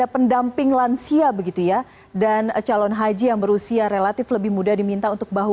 pendamping lansia begitu ya dan calon haji yang berusia relatif lebih muda diminta untuk bahu